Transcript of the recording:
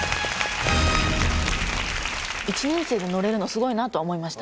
１年生で乗れるのすごいなとは思いました。